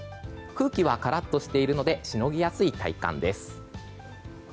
空気はカラッとしているのでしのぎやすい体感です。